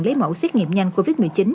lấy mẫu xét nghiệm nhanh covid một mươi chín